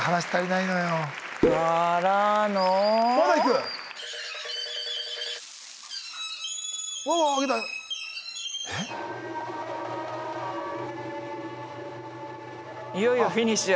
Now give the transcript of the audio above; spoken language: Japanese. いよいよフィニッシュや。